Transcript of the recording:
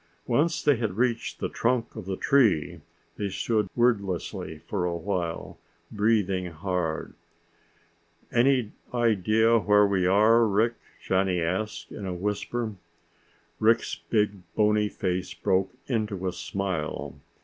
Once they had reached the trunk of the tree, they stood wordlessly for a while, breathing hard. "Any idea where we are, Rick?" Johnny asked in a whisper. Rick's big, bony face broke into a smile.